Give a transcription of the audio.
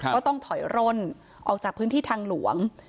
ก็ต้องถอยร่นออกจากพื้นที่ทางหลวง